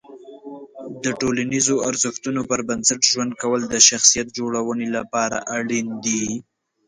د ټولنیزو ارزښتونو پر بنسټ ژوند کول د شخصیت جوړونې لپاره اړین دي.